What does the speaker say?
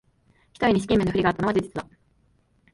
ひとえに資金面で不利があったのは事実だ